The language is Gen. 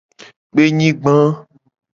Kpenyigba.